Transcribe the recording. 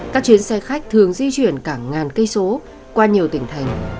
các chuyến xe khách thường di chuyển cả ngàn cây số qua nhiều tỉnh thành